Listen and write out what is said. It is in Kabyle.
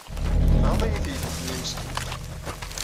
Tɣaḍ-iyi teydit-nni meskint.